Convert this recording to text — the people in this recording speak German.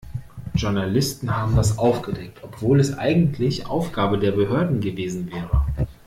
Journalisten haben das aufgedeckt, obwohl es eigentlich Aufgabe der Behörden gewesen wäre.